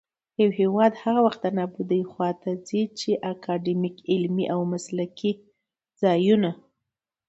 يـو هـېواد هغـه وخـت دې نـابـودۍ خـواته ځـي ،چـې اکـادميـک، عـلمـي او مـسلـکي ځـايـونــه